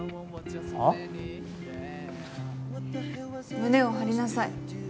胸を張りなさい。